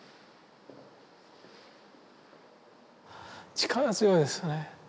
力強いですね。